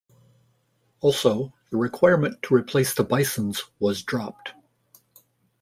Also, the requirement to replace the Bisons was dropped.